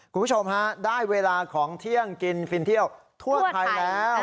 คุณผู้ชมฮะได้เวลาของเที่ยงกินฟินเที่ยวทั่วไทยแล้ว